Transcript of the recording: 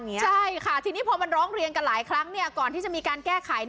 ใช่ค่ะทีนี้พอมันร้องเรียนกันหลายครั้งก่อนที่จะมีการแก้ไข